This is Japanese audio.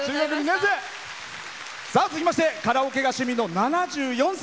続きましてカラオケが趣味の７４歳。